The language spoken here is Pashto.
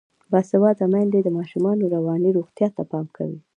باسواده میندې د ماشومانو رواني روغتیا ته پام کوي.